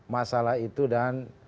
masalah itu dan